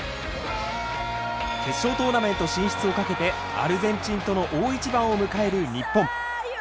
決勝トーナメント進出をかけてアルゼンチンとの大一番を迎える日本。